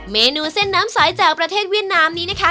เมนูเส้นน้ำสายจากประเทศเวียดนามนี้นะคะ